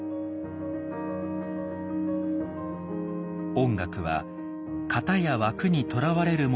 音楽は型や枠にとらわれるものではない。